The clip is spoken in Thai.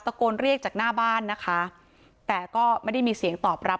โกนเรียกจากหน้าบ้านนะคะแต่ก็ไม่ได้มีเสียงตอบรับ